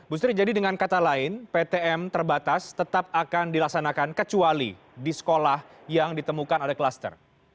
bu sri jadi dengan kata lain ptm terbatas tetap akan dilaksanakan kecuali di sekolah yang ditemukan ada kluster